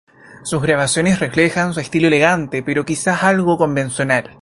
Sus grabaciones reflejan su estilo elegante pero quizás algo convencional.